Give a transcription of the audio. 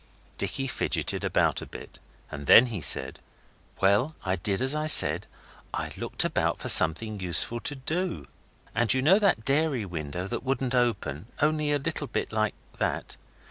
Dicky fidgeted about a bit, and then he said 'Well, I did as I said. I looked about for something useful to do. And you know that dairy window that wouldn't open only a little bit like that?